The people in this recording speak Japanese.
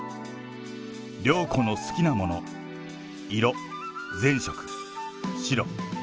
涼子の好きなもの、色、全色・白。